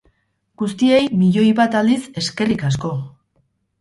Guztiei, milioi bat aldiz, eskerrik asko!